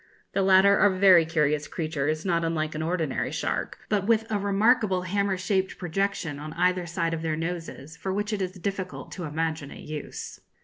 The latter are very curious creatures, not unlike an ordinary shark, but with a remarkable hammer shaped projection on either side of their noses for which it is difficult to imagine a use.